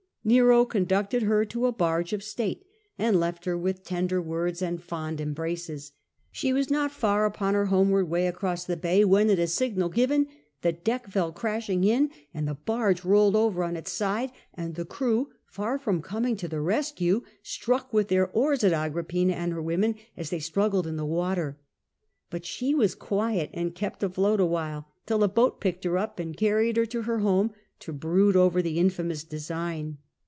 Nero conducted her to a barge of state and left her with tender A.D. 54'68. Nero. 105 words and fond embraces. Slie was not far upon her homeward way across the bay when, at a signal given, the deck fell crashing in and the barge rolled over on its side; and the crew, far from coming to the rescue, struck with their oars at Agrippina and her women as they struggled in the water. But she was quiet and kept afloat a while, till a boat picked her up and carried her to her home, to brood over the infamous design.